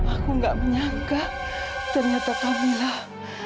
aku nggak menyangka ternyata kamilah